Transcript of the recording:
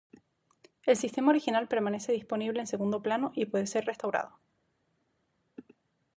El sistema original permanece disponible en segundo plano y puede ser restaurado.